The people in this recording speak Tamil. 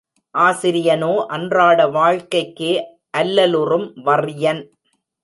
ஆசிரியனோ, அன்றாட வாழ்க்கைக்கே அல்லலுறும் வறியன்!